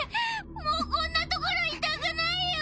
もうこんな所いたくないよ！